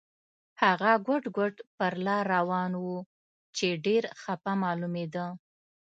هغه ګوډ ګوډ پر لار روان و چې ډېر خپه معلومېده.